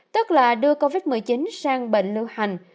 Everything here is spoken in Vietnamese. tức là đưa covid một mươi chín sang bệnh lưu hành